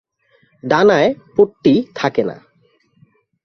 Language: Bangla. ডানায় পট্টি থাকে না।